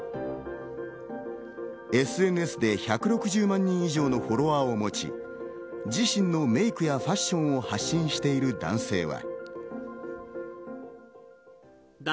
ＳＮＳで１６０万人以上のフォロワーを持ち、自身のメイクやファッションを発信している男性は。